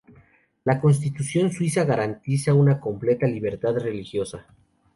La Constitución suiza garantiza una completa libertad religiosa.